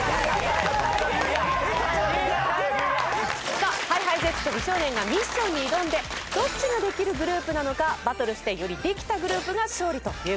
さあＨｉＨｉＪｅｔｓと美少年がミッションに挑んでどっちができるグループなのかバトルしてよりできたグループが勝利という事になります。